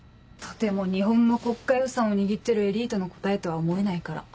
とても日本の国家予算を握ってるエリートの答えとは思えないから。